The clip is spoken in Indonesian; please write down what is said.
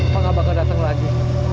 pak gak bakal dateng lagi